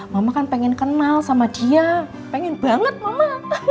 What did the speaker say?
mama kan pengen kenal sama dia pengen banget mama